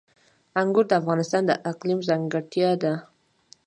انګور د افغانستان د اقلیم ځانګړتیا ده.